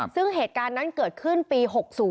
ซึ่งเหตุการณ์นั้นเกิดขึ้นปี๖๐